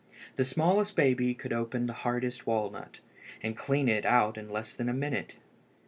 The smallest baby could open the hardest walnut, and clean it out in less than a minute.